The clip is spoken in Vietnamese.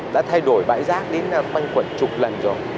đã thay đổi bãi rác đến quanh quận chục lần rồi